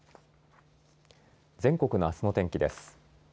全国のあすの天気です。